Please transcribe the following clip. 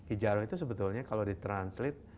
ijaroh itu sebetulnya kalau di translate